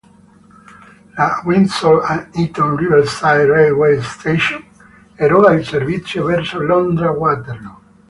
La "Windsor and Eton Riverside railway station" eroga il servizio verso Londra Waterloo.